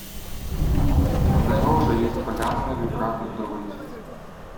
— Негоже єсть полянинові брати вдовицю.